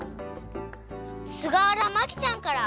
すがわらまきちゃんから。